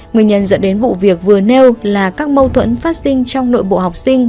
nguyên nhân dẫn đến vụ việc vừa nêu là các mâu thuẫn phát sinh trong nội bộ học sinh